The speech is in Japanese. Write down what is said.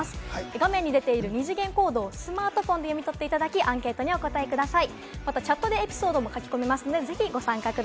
画面に出ている二次元コードをスマートフォンで読み取っていただき、アンケートにお答えください。